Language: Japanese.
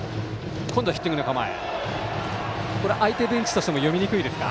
相手ベンチとしても読みにくいですか。